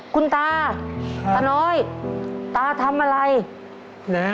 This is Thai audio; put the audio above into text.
คุณตาตาน้อยตาทำอะไรนะ